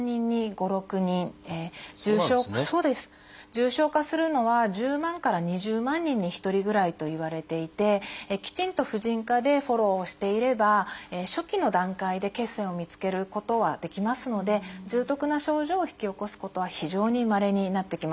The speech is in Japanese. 重症化するのは１０万から２０万人に１人ぐらいといわれていてきちんと婦人科でフォローをしていれば初期の段階で血栓を見つけることはできますので重篤な症状を引き起こすことは非常にまれになってきます。